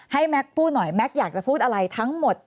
แม็กซ์พูดหน่อยแม็กซ์อยากจะพูดอะไรทั้งหมด